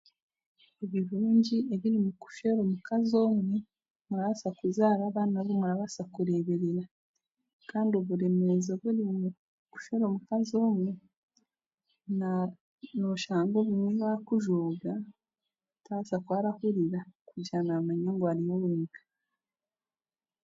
Ebirungi ebiri mukushwera omukazi omwe orabasa kuzaara abaana abu murabaasa kureeberera kandi oburemeezi oburimu kushwera mukazi omwe na n'oshanga obumwe yaakujooga ataabaasa kuhurira kugira naamanya ngu ariho wenka